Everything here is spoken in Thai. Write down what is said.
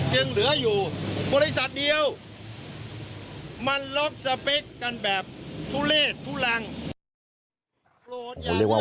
เหลืออยู่บริษัทเดียวมันล็อกสเปคกันแบบทุเลศทุลัง